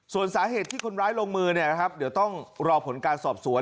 ส่วนสาเหตุที่คนร้ายลงมือเดี๋ยวต้องรอผลการสอบสวน